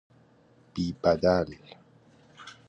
بی بدل